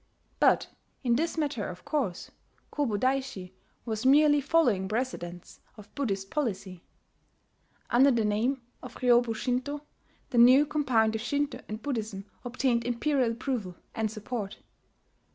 But in this matter, of course, Kobodaishi was merely following precedents of Buddhist policy. Under the name of Ryobu Shinto,* the new compound of Shinto and Buddhism obtained imperial approval and support.